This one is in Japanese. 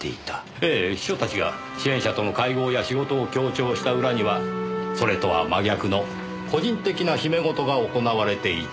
ええ秘書たちが支援者との会合や仕事を強調した裏にはそれとは真逆の個人的な秘め事が行われていた。